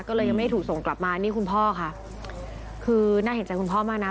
ก็เลยยังไม่ถูกส่งกลับมานี่คุณพ่อค่ะคือน่าเห็นใจคุณพ่อมากนะ